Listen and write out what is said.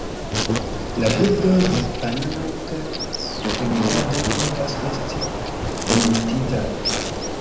La birdoj de Panamo kaj Trinidado povas esti enmetitaj.